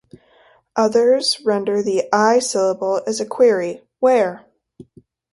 Others render the "I" syllable as a query, "Where?